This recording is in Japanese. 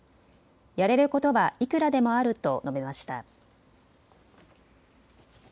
やれることはいくらでもあると述べました。